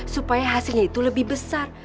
supaya hasilnya itu lebih besar